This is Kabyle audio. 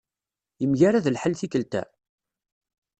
Yemgarad lḥal tikelt-a?